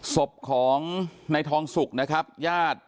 ศพของนายทองสุกยาด